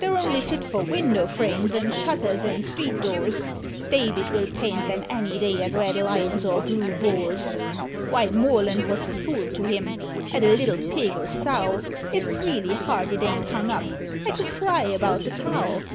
They're only fit for window frames, and shutters and street doors, David will paint 'em any day at Red Lions or Blue Boars, Why, Morland was a fool to him, at a little pig or sow It's really hard it ain't hung up, I could cry about the Cow!